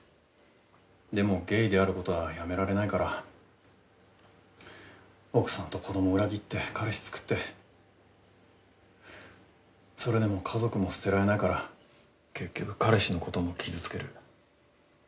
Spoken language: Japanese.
でもゲイであることはやめられないから奥さんと子ども裏切って彼氏作ってそれでも家族も捨てられないから結局彼氏のことも傷つける。